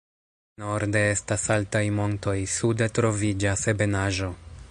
Norde estas altaj montoj, sude troviĝas ebenaĵo.